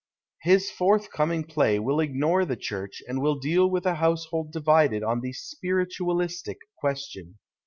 His forthcoming play will ignore the Church and will deal witii a household divided on the " spiritualistic " question.